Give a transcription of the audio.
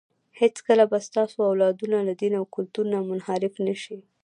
هېڅکله به ستاسو اولادونه له دین او کلتور نه منحرف نه شي.